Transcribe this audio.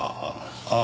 ああ。